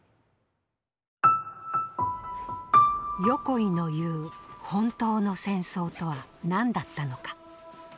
横井の言う「本当の戦争」とは何だったのか。